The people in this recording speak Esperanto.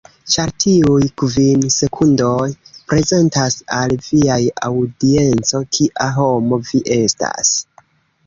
Ĉar tiuj kvin sekundoj, prezentas al viaj aŭdienco kia homo vi estas.